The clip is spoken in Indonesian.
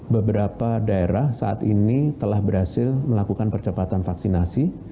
beberapa daerah saat ini telah berhasil melakukan percepatan vaksinasi